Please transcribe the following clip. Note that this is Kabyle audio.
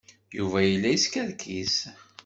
Yuba yella yeskerkis.